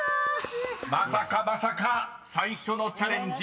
［まさかまさか最初のチャレンジ